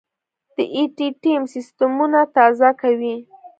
دا ائ ټي ټیم سیستمونه تازه کوي.